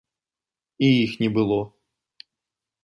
І іх не было.